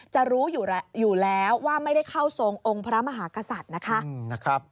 จะรู้อยู่แล้วว่าไม่ได้เข้าทรงองค์พระมหากษัตริย์นะคะ